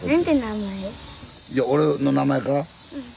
いや俺の名前か？